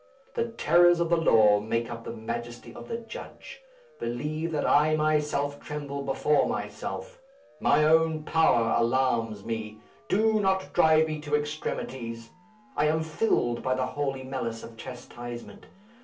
The terrors of the law make up the majesty of the judge. Believe that I myself tremble before myself. My own power alarms me. Do not drive me to extremities. I am filled by the holy malice of chastisement.